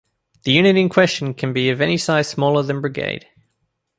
The unit in question can be of any size smaller than brigade.